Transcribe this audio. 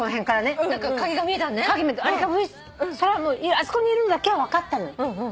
あそこにいるのだけは分かった。